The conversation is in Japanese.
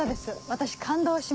私感動しました。